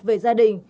về gia đình